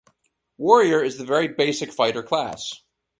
Warrior is the very basic fighter class.